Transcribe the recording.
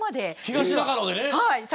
東中野でね。